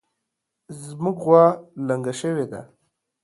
زمونږ غوا لنګه شوې ده